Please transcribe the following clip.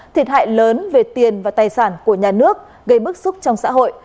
thiệt hại lớn về tiền và tài sản của nhà nước gây bức xúc trong xã hội